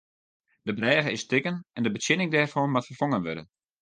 De brêge is stikken en de betsjinning dêrfan moat ferfongen wurde.